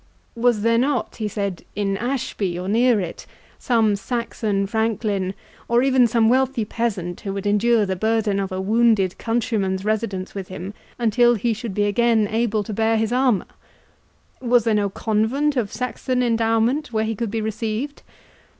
"Was there not," he said, "in Ashby, or near it, some Saxon franklin, or even some wealthy peasant, who would endure the burden of a wounded countryman's residence with him until he should be again able to bear his armour?—Was there no convent of Saxon endowment, where he could be received?